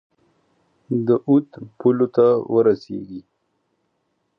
د اود پولو ته ورسیږي.